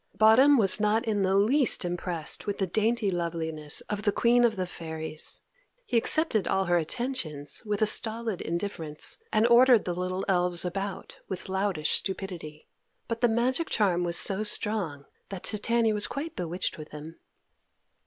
Bottom was not in the least impressed with the dainty loveliness of the Queen of the Fairies. He accepted all her attentions with stolid indifference, and ordered the little elves about with loutish stupidity. But the magic charm was so strong that Titania was quite bewitched with him.